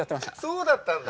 そうだったんだ。